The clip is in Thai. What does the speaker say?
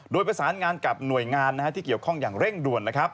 โดยประสานงานกับหน่วยงานที่เกี่ยวข้องอย่างเร่งด่วนนะครับ